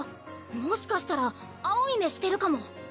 もしかしたら青い目してるかも。